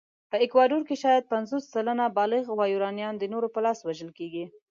په اکوادور کې شاید پنځوس سلنه بالغ وایورانيان د نورو په لاس وژل کېږي.